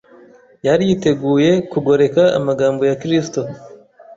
Yari yiteguye kugoreka amagambo ya Kristo